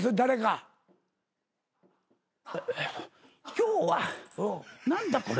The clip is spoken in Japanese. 今日は何だこれ。